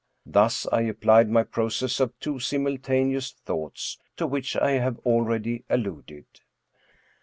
Thus I applied my process of two simultaneous thoughts, to which I have al ready alluded.